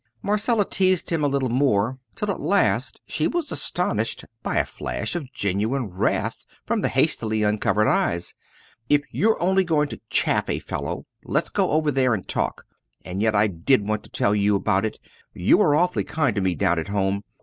Marcella teased him a little more till at last she was astonished by a flash of genuine wrath from the hastily uncovered eyes. "If you're only going to chaff a fellow let's go over there and talk! And yet I did want to tell you about it you were awfully kind to me down at home.